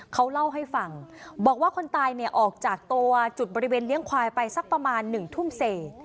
เขาเล่าให้ฟังบอกว่าคนตายเนี่ยออกจากตัวจุดบริเวณเลี้ยงควายไปสักประมาณ๑ทุ่มเศษ